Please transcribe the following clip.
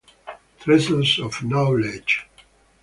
Treasures of Knowledge.